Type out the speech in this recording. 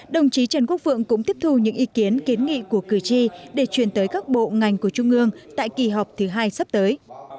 đồng chí trần quốc vượng cũng tiếp thu những ý kiến kiến nghị của cử tri để truyền tới các bộ ngành của trung ương tại kỳ họp thứ hai sắp tới